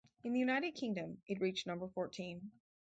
In the United Kingdom, it reached number fourteen.